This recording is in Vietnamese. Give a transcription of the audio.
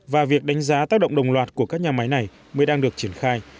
và việc đánh giá tác động đồng loạt của các nhà máy này mới đang được triển khai